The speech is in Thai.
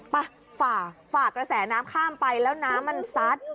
ฝ่าฝ่ากระแสน้ำข้ามไปแล้วน้ำมันซัด